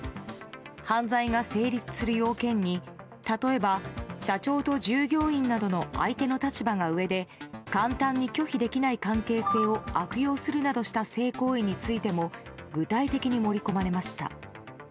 犯罪が成立する要件に例えば社長と従業員などの相手の立場が上で簡単に拒否できない関係性を悪用するなどした性行為についても具体的に盛り込まれました。